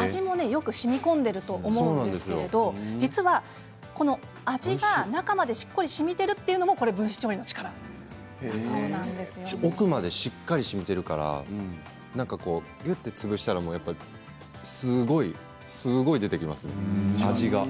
味もよくしみこんでいると思うんですけど味が中までしっかりしみているというのも奥までしっかりしみているからぎゅっと潰したらすごい出てきます、味が。